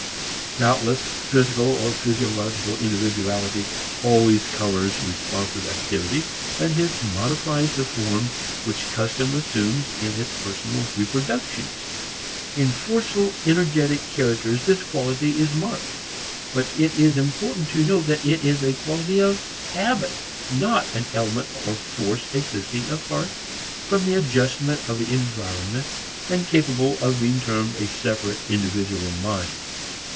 Doubtless physical or physiological individuality always colors responsive activity and hence modifies the form which custom assumes in its personal reproductions. In forceful energetic characters this quality is marked. But it is important to note that it is a quality of habit, not an element or force existing apart from adjustment of the environment and capable of being termed a separate individual mind.